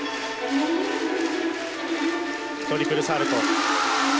トリプルサルコー。